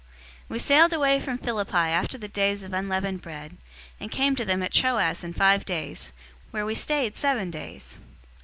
020:006 We sailed away from Philippi after the days of Unleavened Bread, and came to them at Troas in five days, where we stayed seven days.